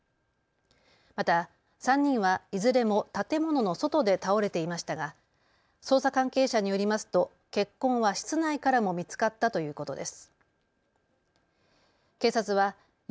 また３人はいずれも建物の外で倒れていましたが捜査関係者によりますと血痕は室内からも見つかったということです。